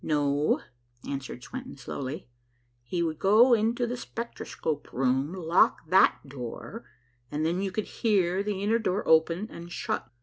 "No," answered Swenton slowly, "he would go into the spectroscope room, lock that door, and then you could hear the inner door open and shut.